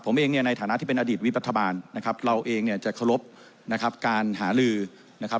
ผมเองเนี่ยในฐานะที่เป็นอดีตวิบรัฐบาลนะครับเราเองเนี่ยจะเคารพนะครับการหาลือนะครับ